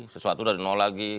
sesuatu sudah ada nol lagi